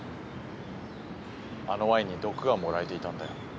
あのワインに毒が盛られていたんだよ。